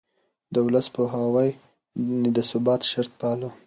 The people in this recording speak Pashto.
د ولس پوهاوی يې د ثبات شرط باله.